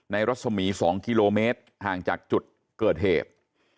รัศมี๒กิโลเมตรห่างจากจุดเกิดเหตุ